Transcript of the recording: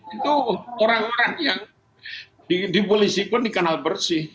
itu orang orang yang di polisi pun dikenal bersih